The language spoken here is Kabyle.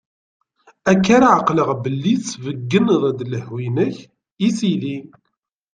Akka ara ɛeqleɣ belli tesbeggneḍ-d lehhu-k i sidi.